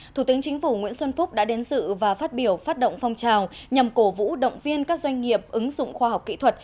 thủ tướng chính phủ nguyễn xuân phúc đã đến dự và phát biểu phát động phong trào nhằm cổ vũ động viên các doanh nghiệp ứng dụng khoa học kỹ thuật